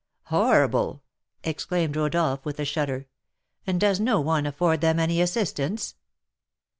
"Horrible!" exclaimed Rodolph, with a shudder; "and does no one afford them any assistance?"